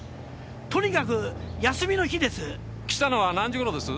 とにかく休みの日です来たのは何時ごろです？